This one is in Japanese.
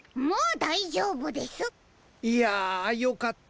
いやよかった。